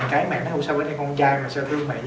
cái mẹ nó hôn sao với con trai mà sao thương mẹ